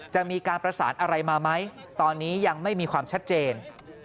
จะมีการประสานอะไรมาไหมตอนนี้ยังไม่มีความชัดเจน